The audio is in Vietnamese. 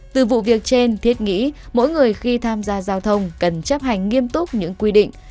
từ vụ việc trên thiết nghĩ mỗi người khi tham gia giao thông cần chấp hành nghiêm túc những quy định